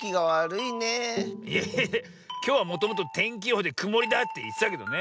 いやきょうはもともとてんきよほうでくもりだっていってたけどね。